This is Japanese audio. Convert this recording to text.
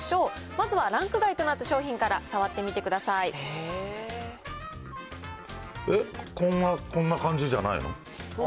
まずはランク外となった商品から触ってこんな感じじゃないの？